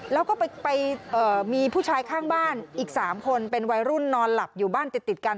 แล้วก็ไปมีผู้ชายข้างบ้านอีก๓คนเป็นวัยรุ่นนอนหลับอยู่บ้านติดกัน